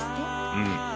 うん。